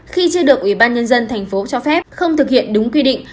khi chưa được ubnd tp cho phép không thực hiện đúng quy định